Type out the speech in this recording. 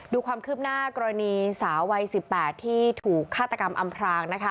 ดูความคืบหน้ากรณีสาววัย๑๘ที่ถูกฆาตกรรมอำพรางนะคะ